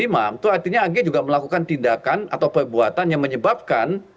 itu artinya ag juga melakukan tindakan atau perbuatan yang menyebabkan